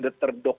nah itu yang harus